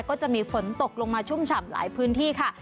ก็จะมีฝนตกลงมาชุ่มฉ่ำหลายพื้นที่ค่ะ